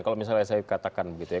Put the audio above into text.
kalau misalnya saya katakan begitu ya